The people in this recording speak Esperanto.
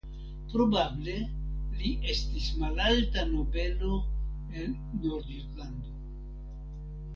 Probable li estis malalta nobelo el Nordjutlando.